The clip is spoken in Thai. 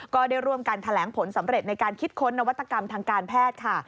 ก็ได้ร่วมกันแถลงผลสำเร็จในการคิดค้นนวัตกรรมทางการแพทย์ค่ะ